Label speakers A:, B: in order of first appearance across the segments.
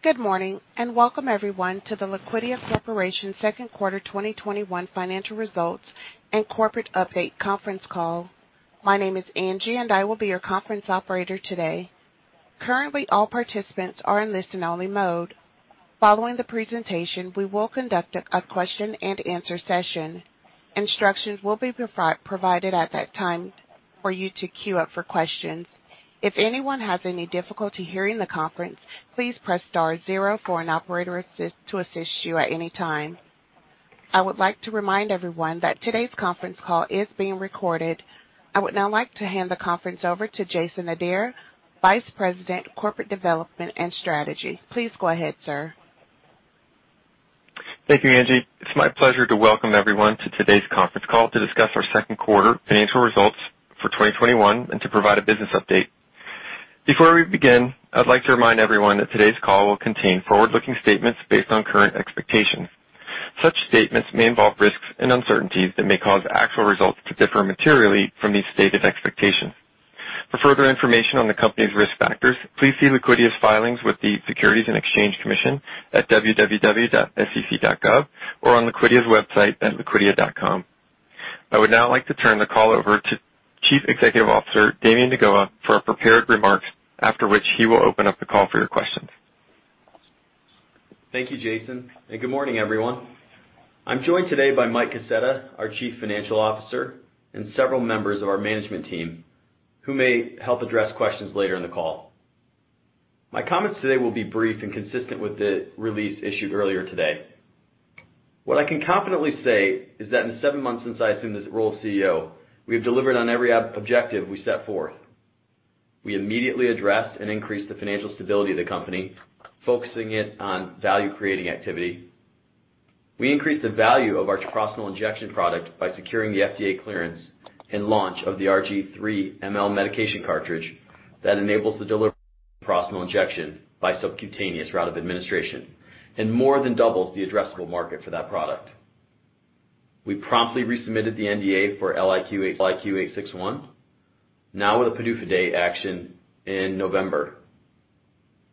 A: Good morning, and welcome everyone to the Liquidia Corporation second quarter 2021 financial results and corporate update conference call. My name is Angie, and I will be your conference operator today. Currently, all participants are in listen only mode. Following the presentation, we will conduct a question and answer session. Instructions will be provided at that time for you to queue up for questions. If anyone has any difficulty hearing the conference, please press star zero for an operator to assist you at any time. I would like to remind everyone that today's conference call is being recorded. I would now like to hand the conference over to Jason Adair, Vice President of Corporate Development and Strategy. Please go ahead, sir.
B: Thank you, Angie. It's my pleasure to welcome everyone to today's conference call to discuss our second quarter financial results for 2021 and to provide a business update. Before we begin, I'd like to remind everyone that today's call will contain forward-looking statements based on current expectations. Such statements may involve risks and uncertainties that may cause actual results to differ materially from these stated expectations. For further information on the company's risk factors, please see Liquidia's filings with the Securities and Exchange Commission at www.sec.gov or on Liquidia's website at liquidia.com. I would now like to turn the call over to Chief Executive Officer, Damian deGoa, for our prepared remarks, after which he will open up the call for your questions.
C: Thank you, Jason. Good morning, everyone. I'm joined today by Michael Kaseta, our Chief Financial Officer, and several members of our management team who may help address questions later in the call. My comments today will be brief and consistent with the release issued earlier today. What I can confidently say is that in the seven months since I assumed this role of CEO, we have delivered on every objective we set forth. We immediately addressed and increased the financial stability of the company, focusing it on value-creating activity. We increased the value of our treprostinil injection product by securing the FDA clearance and launch of the RG 3ml Medication Cartridge that enables the delivery of treprostinil injection by subcutaneous route of administration and more than doubles the addressable market for that product. We promptly resubmitted the NDA for LIQ861, now with a PDUFA date action in November.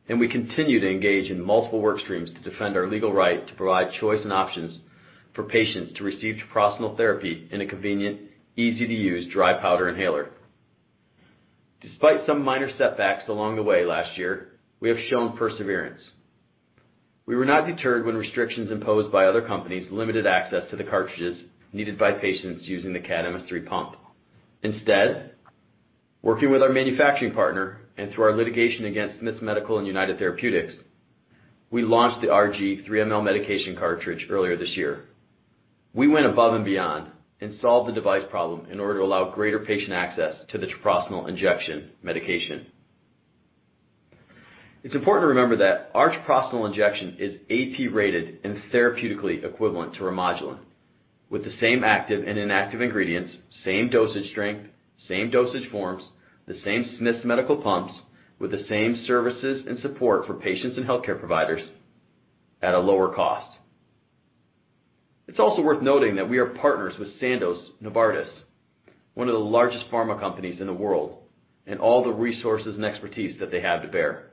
C: We continue to engage in multiple workstreams to defend our legal right to provide choice and options for patients to receive treprostinil therapy in a convenient, easy-to-use dry powder inhaler. Despite some minor setbacks along the way last year, we have shown perseverance. We were not deterred when restrictions imposed by other companies limited access to the cartridges needed by patients using the CADD-MS 3 pump. Instead, working with our manufacturing partner and through our litigation against Smiths Medical and United Therapeutics, we launched the RG 3ml Medication Cartridge earlier this year. We went above and beyond and solved the device problem in order to allow greater patient access to the treprostinil injection medication. It's important to remember that our treprostinil injection is AB-rated and therapeutically equivalent to Remodulin with the same active and inactive ingredients, same dosage strength, same dosage forms, the same Smiths Medical pumps with the same services and support for patients and healthcare providers at a lower cost. It's also worth noting that we are partners with Sandoz Novartis, one of the largest pharma companies in the world, and all the resources and expertise that they have to bear.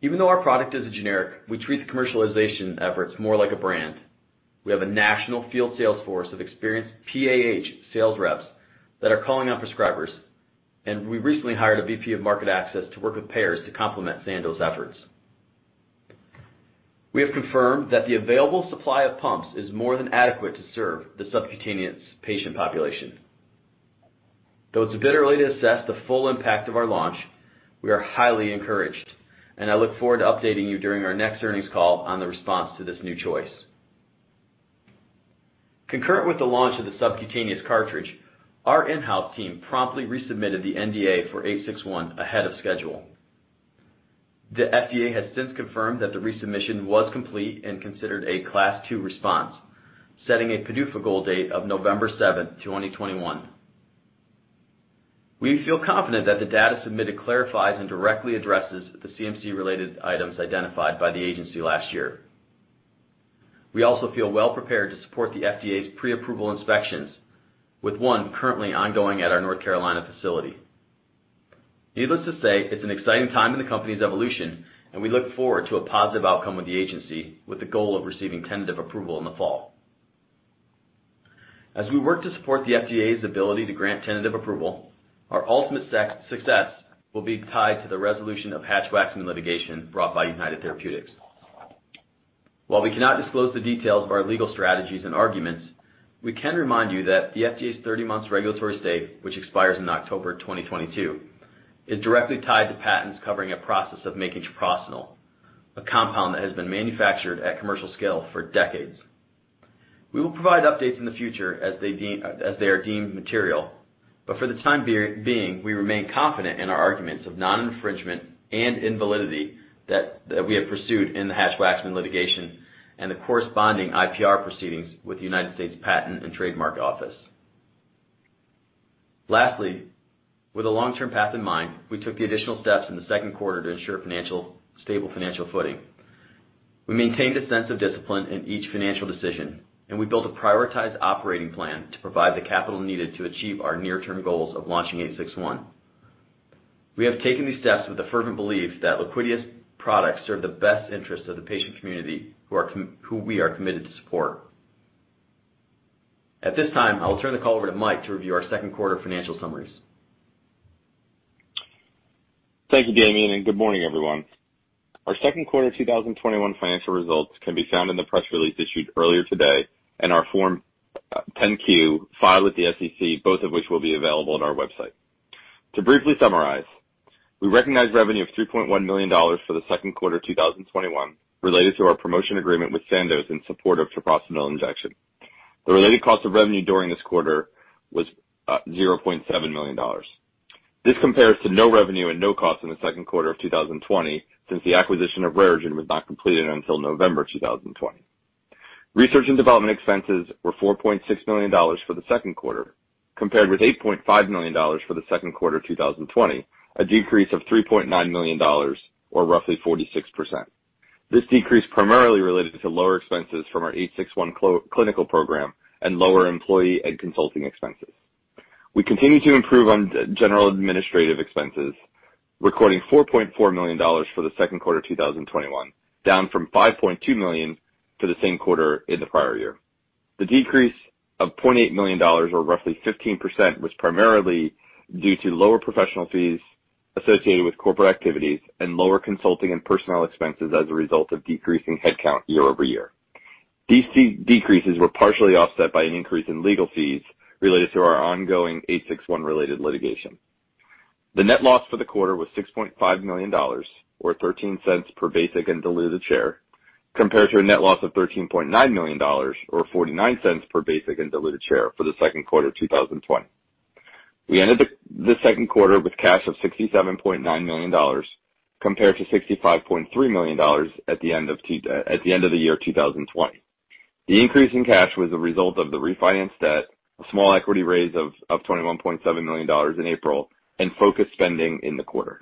C: Even though our product is a generic, we treat the commercialization efforts more like a brand. We have a national field sales force of experienced PAH sales reps that are calling on prescribers, and we recently hired a VP of market access to work with payers to complement Sandoz efforts. We have confirmed that the available supply of pumps is more than adequate to serve the subcutaneous patient population. Though it's a bit early to assess the full impact of our launch, we are highly encouraged, and I look forward to updating you during our next earnings call on the response to this new choice. Concurrent with the launch of the subcutaneous cartridge, our in-house team promptly resubmitted the NDA for LIQ861 ahead of schedule. The FDA has since confirmed that the resubmission was complete and considered a class 2 response, setting a PDUFA goal date of November 7, 2021. We feel confident that the data submitted clarifies and directly addresses the CMC-related items identified by the agency last year. We also feel well prepared to support the FDA's pre-approval inspections, with one currently ongoing at our North Carolina facility. Needless to say, it's an exciting time in the company's evolution, and we look forward to a positive outcome with the agency with the goal of receiving tentative approval in the fall. As we work to support the FDA's ability to grant tentative approval, our ultimate success will be tied to the resolution of Hatch-Waxman litigation brought by United Therapeutics. While we cannot disclose the details of our legal strategies and arguments, we can remind you that the FDA's 30-month regulatory stay, which expires in October 2022, is directly tied to patents covering a process of making treprostinil, a compound that has been manufactured at commercial scale for decades. We will provide updates in the future as they are deemed material, but for the time being, we remain confident in our arguments of non-infringement and invalidity that we have pursued in the Hatch-Waxman litigation and the corresponding IPR proceedings with the United States Patent and Trademark Office. Lastly, with a long-term path in mind, we took the additional steps in the second quarter to ensure stable financial footing. We maintained a sense of discipline in each financial decision, and we built a prioritized operating plan to provide the capital needed to achieve our near-term goals of launching 861. We have taken these steps with the fervent belief that Liquidia's products serve the best interest of the patient community, who we are committed to support. At this time, I will turn the call over to Michael to review our second quarter financial summaries.
D: Thank you, Damian, and good morning, everyone. Our second quarter 2021 financial results can be found in the press release issued earlier today and our Form 10-Q filed with the SEC, both of which will be available on our website. To briefly summarize, we recognized revenue of $3.1 million for the second quarter 2021 related to our promotion agreement with Sandoz in support of treprostinil injection. The related cost of revenue during this quarter was $0.7 million. This compares to no revenue and no cost in the second quarter of 2020, since the acquisition of RareGen was not completed until November 2020. Research and development expenses were $4.6 million for the second quarter, compared with $8.5 million for the second quarter 2020, a decrease of $3.9 million or roughly 46%. This decrease primarily related to lower expenses from our 861 clinical program and lower employee and consulting expenses. We continue to improve on general administrative expenses, recording $4.4 million for the second quarter 2021, down from $5.2 million for the same quarter in the prior year. The decrease of $0.8 million or roughly 15% was primarily due to lower professional fees associated with corporate activities and lower consulting and personnel expenses as a result of decreasing headcount year-over-year. These decreases were partially offset by an increase in legal fees related to our ongoing 861-related litigation. The net loss for the quarter was $6.5 million or $0.13 per basic and diluted share, compared to a net loss of $13.9 million or $0.49 per basic and diluted share for the second quarter 2020. We ended the second quarter with cash of $67.9 million compared to $65.3 million at the end of the year 2020. The increase in cash was a result of the refinanced debt, a small equity raise of $21.7 million in April, and focused spending in the quarter.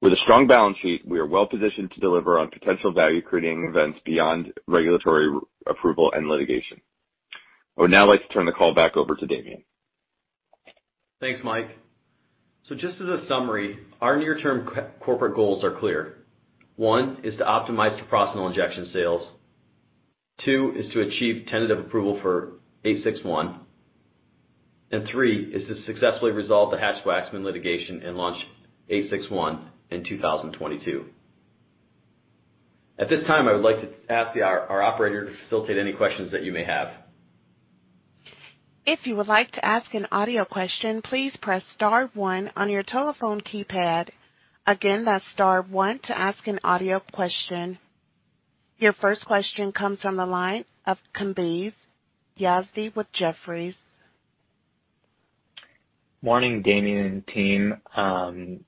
D: With a strong balance sheet, we are well positioned to deliver on potential value-creating events beyond regulatory approval and litigation. I would now like to turn the call back over to Damian.
C: Thanks, Mike. Just as a summary, our near-term corporate goals are clear. One is to optimize treprostinil injection sales. Two is to achieve tentative approval for 861. Three is to successfully resolve the Hatch-Waxman litigation and launch 861 in 2022. At this time, I would like to ask our operator to facilitate any questions that you may have.
A: If you would like to ask an audio question please press star one on your telephone keypad. Again that's star one to ask an audio question. Your first question comes from the line of Kambiz Yazdi with Jefferies.
E: Morning, Damian and team.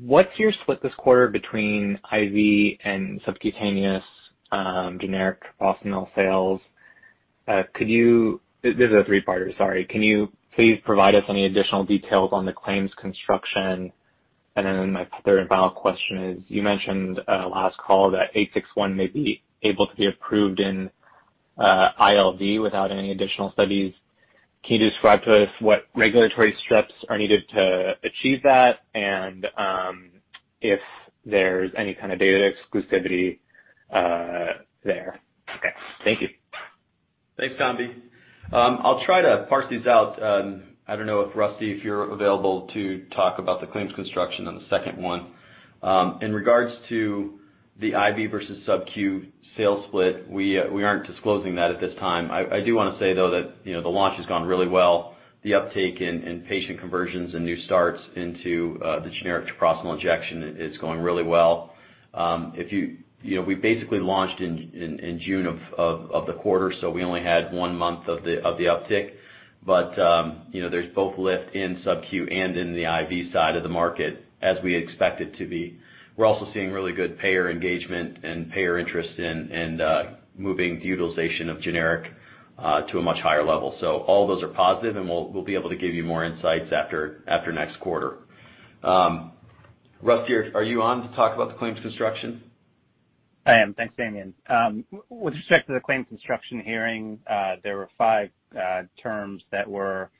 E: What's your split this quarter between IV and subcutaneous generic treprostinil sales? This is a three parter, sorry. Can you please provide us any additional details on the claim construction? My third and final question is, you mentioned last call that 861 may be able to be approved in ILD without any additional studies. Can you describe to us what regulatory steps are needed to achieve that and if there's any kind of data exclusivity there? Okay. Thank you.
C: Thanks, Kambiz. I'll try to parse these out. I don't know if, Rusty, if you're available to talk about the claim construction on the second one. In regards to the IV versus subQ sales split, we aren't disclosing that at this time. I do want to say, though, that the launch has gone really well. The uptake in patient conversions and new starts into the generic treprostinil injection is going really well. We basically launched in June of the quarter. We only had one month of the uptick. There's both lift in subQ and in the IV side of the market as we expect it to be. We're also seeing really good payer engagement and payer interest in moving the utilization of generic to a much higher level. All those are positive, and we'll be able to give you more insights after next quarter. Rusty, are you on to talk about the claim construction?
F: I am. Thanks, Damian. With respect to the claim construction hearing, there were five terms that were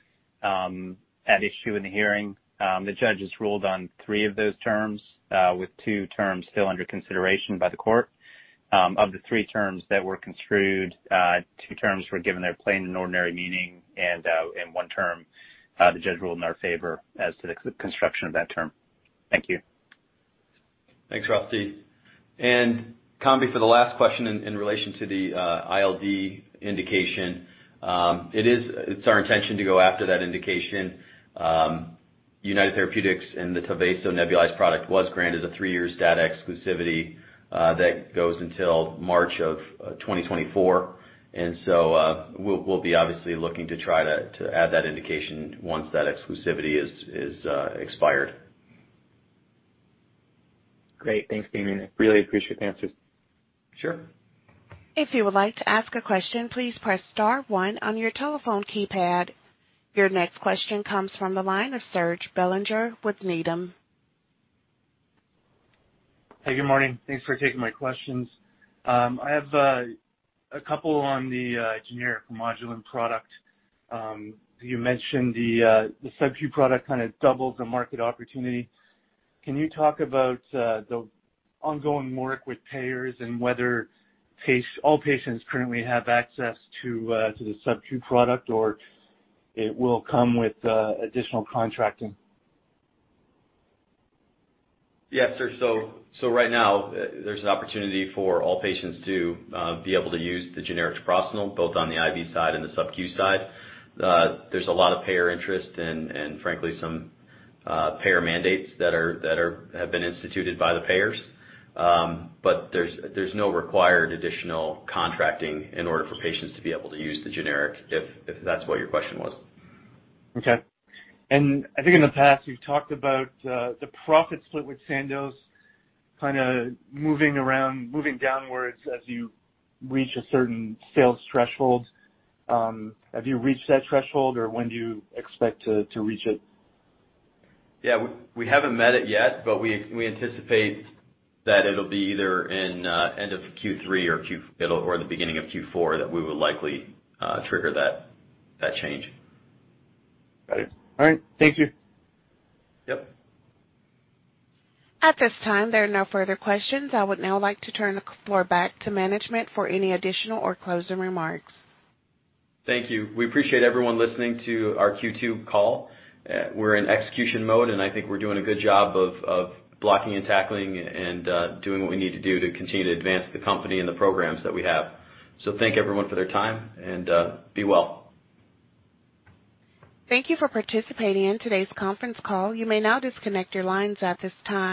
F: at issue in the hearing. The judges ruled on three of those terms, with two terms still under consideration by the court. Of the three terms that were construed, two terms were given their plain and ordinary meaning, and one term, the judge ruled in our favor as to the construction of that term. Thank you.
C: Thanks, Rusty. Kambiz, for the last question in relation to the ILD indication, it's our intention to go after that indication. United Therapeutics and the Tyvaso nebulized product was granted a three-year data exclusivity that goes until March of 2024. We'll be obviously looking to try to add that indication once that exclusivity is expired.
E: Great. Thanks, Damian. Really appreciate the answers.
C: Sure.
A: If you would like to ask a question please press star one on your telephone keypad. Your next question comes from the line of Serge Belanger with Needham.
G: Hey, good morning. Thanks for taking my questions. I have a couple on the generic Remodulin product. You mentioned the subQ product kind of doubles the market opportunity. Can you talk about the ongoing work with payers and whether all patients currently have access to the subQ product, or it will come with additional contracting?
C: Yes, sir. Right now, there's an opportunity for all patients to be able to use the generic treprostinil, both on the IV side and the subQ side. There's a lot of payer interest and frankly, some payer mandates that have been instituted by the payers. There's no required additional contracting in order for patients to be able to use the generic, if that's what your question was.
G: Okay. I think in the past, you've talked about the profit split with Sandoz kind of moving downwards as you reach a certain sales threshold. Have you reached that threshold, or when do you expect to reach it?
C: Yeah, we haven't met it yet, but we anticipate that it'll be either in end of Q3 or the beginning of Q4 that we will likely trigger that change.
G: Got it. All right. Thank you.
C: Yep.
A: At this time, there are no further questions. I would now like to turn the floor back to management for any additional or closing remarks.
C: Thank you. We appreciate everyone listening to our Q2 call. We're in execution mode, and I think we're doing a good job of blocking and tackling and doing what we need to do to continue to advance the company and the programs that we have. Thank everyone for their time, and be well.
A: Thank you for participating in today's conference call. You may now disconnect your lines at this time.